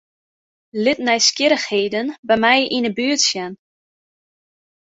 Lit nijsgjirrichheden by my yn 'e buert sjen.